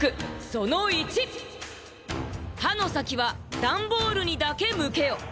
「はのさきはダンボールにだけむけよ！」。